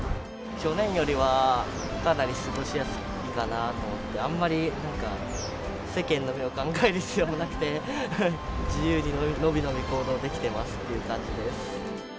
去年よりはかなり過ごしやすいかなと思って、あんまり、なんか世間の目を考える必要もなくて、自由に伸び伸び行動できてますっていう感じです。